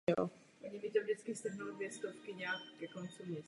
Byl bych velmi rád, kdybyste odpověděl přesně.